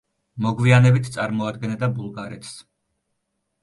მოგვიანებით წარმოადგენდა ბულგარეთს.